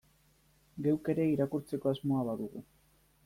Geuk ere irakurtzeko asmoa badugu.